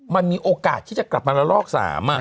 มันมีโอกาสที่จะกลับมาละลอก๓